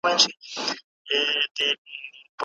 د ځان ساتنه څه ډول ثواب لري؟